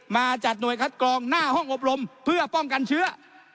มาจัดหน่วยคัดกรองหน้าห้องอบรมเพื่อป้องกันเชื้อ